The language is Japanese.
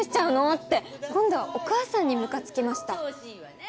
って今度はお母さんにむかつきました。